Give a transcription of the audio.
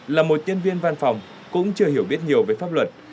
là một nhân viên văn phòng cũng chưa hiểu biết nhiều về pháp luật